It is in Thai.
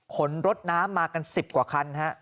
ขนรถน้ำมากัน๑๐กว่าคันนะครับ